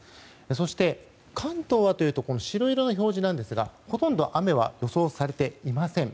そして、関東はというと白色の表示なんですがほとんど雨は予想されていません。